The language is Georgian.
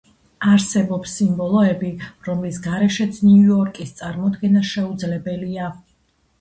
არსებობს სიმბოლოები, რომლის გარეშეც ნიუ-იორკის წარმოდგენა შეუძლებელია.